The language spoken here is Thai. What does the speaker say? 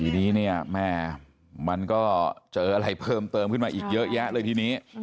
ทีนี้เนี่ยแม่มันก็เจออะไรเพิ่มเติมขึ้นมาอีกเยอะแยะเลยทีนี้